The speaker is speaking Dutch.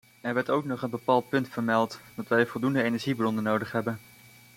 Er werd ook nog een bepaald punt vermeld: dat wij voldoende energiebronnen nodig hebben.